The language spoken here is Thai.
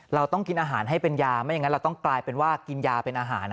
เราต้องกินอาหารให้เป็นยาไม่อย่างนั้นเราต้องกลายเป็นว่ากินยาเป็นอาหาร